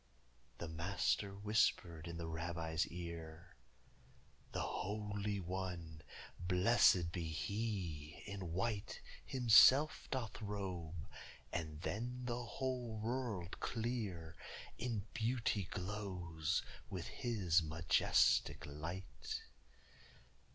The Master whispered in the Rabbi's ear: "The Holy One, blessëd be He, in white Himself doth robe, and then the whole world clear In beauty glows with His majestic light."